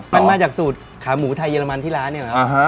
มันมาจากสูตรขาหมูไทยเรมันที่ร้านเนี่ยเหรอ